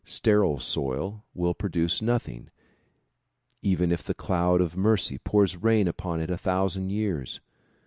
Sterile soil will produce nothing even if the cloud of mercy pours rain upon it a thousand years.